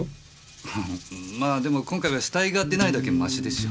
まあでも今回は死体が出ないだけマシでしょ。